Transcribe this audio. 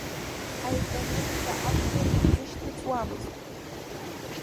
Аекономика акәзар изышьҭыҵуамызт.